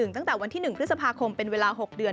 ตั้งแต่วันที่๑พฤษภาคมเป็นเวลา๖เดือน